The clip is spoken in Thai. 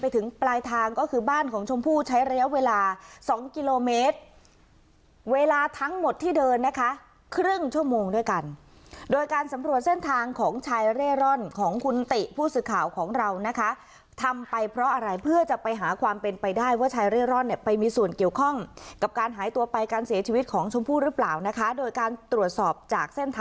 ถึงปลายทางก็คือบ้านของชมพู่ใช้ระยะเวลาสองกิโลเมตรเวลาทั้งหมดที่เดินนะคะครึ่งชั่วโมงด้วยกันโดยการสำรวจเส้นทางของชายเร่ร่อนของคุณติผู้สื่อข่าวของเรานะคะทำไปเพราะอะไรเพื่อจะไปหาความเป็นไปได้ว่าชายเร่ร่อนเนี่ยไปมีส่วนเกี่ยวข้องกับการหายตัวไปการเสียชีวิตของชมพู่หรือเปล่านะคะโดยการตรวจสอบจากเส้นท